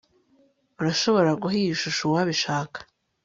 urashobora guha iyi shusho uwabishaka